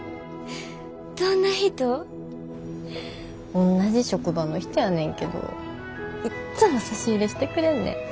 おんなじ職場の人やねんけどいっつも差し入れしてくれんねん。